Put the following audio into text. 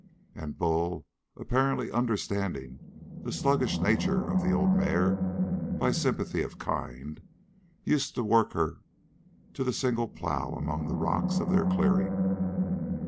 And Bull, apparently understanding the sluggish nature of the old mare by sympathy of kind, use to work her to the single plow among the rocks of their clearing.